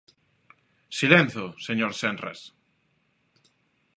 ¡Silencio, señor Senras!